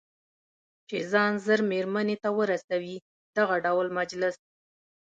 چې ځان ژر مېرمنې ته ورسوي، دغه ډول مجلس.